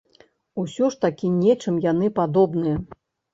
Усё ж такі нечым яны падобныя!